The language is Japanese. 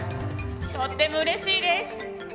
とってもうれしいです。